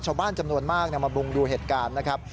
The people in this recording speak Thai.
ชาวบ้านจำนวนมากมามุงดูเหตุการณ์นะครับ